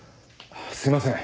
すいません。